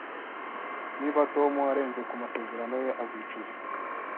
Niba Tom arenze ku masezerano ye, azicuza